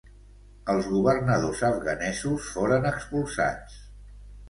Els governadors afganesos foren expulsats.